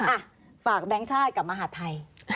อ่ะฝากแบงค์ชาติกับมหาดไทย